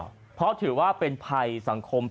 ว่าหนูก็ลังเกียจเขา